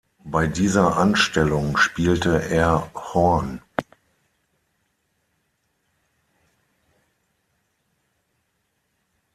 Bei dieser Anstellung spielte er Horn.